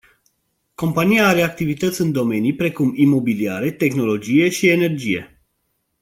Compania mai are activități în domenii precum imobiliare, tehnologie și energie.